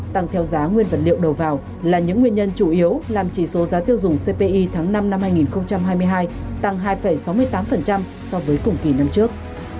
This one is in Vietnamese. tăng theo giá nguyên vật liệu đầu vào là những nguyên nhân chủ yếu làm chỉ số giá tiêu dùng cpi tháng năm năm hai nghìn hai mươi hai tăng hai sáu mươi tám so với cùng kỳ năm trước